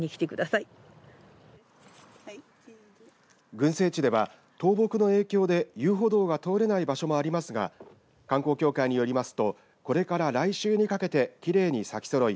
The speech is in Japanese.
群生地では倒木の影響で遊歩道が通れない場所もありますが観光協会によりますとこれから来週にかけてきれいに咲きそろい